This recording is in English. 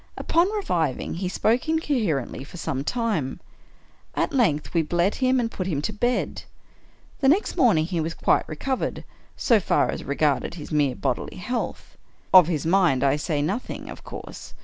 Upon reviving he spoke incoherently for some time. At length we bled him and put him to bed. The next morning he was quite recovered, so far as re garded his mere bodily health. Of his mind I say nothing, of course.